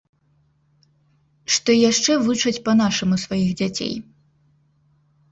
Што яшчэ вучаць па-нашаму сваіх дзяцей.